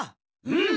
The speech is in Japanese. うん！